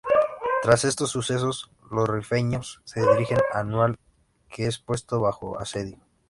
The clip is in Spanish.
Tras estos sucesos, los rifeños se dirigen a Annual, que es puesto bajo asedio.